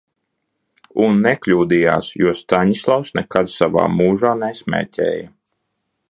Un nekļūdījās, jo Staņislavs nekad savā mūžā nesmēķēja.